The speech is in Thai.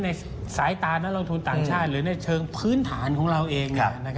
ในสายตานักลงทุนต่างชาติหรือในเชิงพื้นฐานของเราเอง